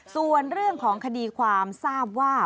ส่วนเรื่องของคดีความทราบว่า